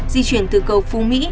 di chuyển từ cầu phú mỹ